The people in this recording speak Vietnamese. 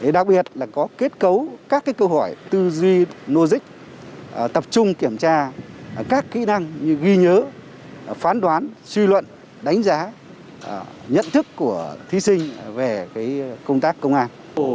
đặc biệt là có kết cấu các câu hỏi tư duy logic tập trung kiểm tra các kỹ năng như ghi nhớ phán đoán suy luận đánh giá nhận thức của thí sinh về công tác công an